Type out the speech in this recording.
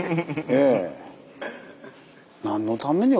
ええ。